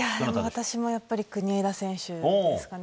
私もやっぱり国枝選手ですかね。